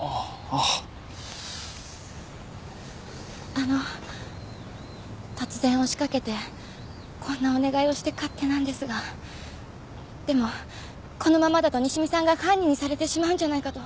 あの突然押し掛けてこんなお願いをして勝手なんですがでもこのままだと西見さんが犯人にされてしまうんじゃないかと。